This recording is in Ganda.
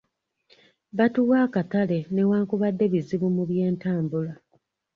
Batuwa akatale newankubadde bizibu mu by'entambula.